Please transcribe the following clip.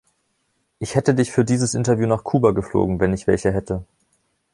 Ich hätte dich für dieses Interview nach Kuba geflogen, wenn ich welche hätte.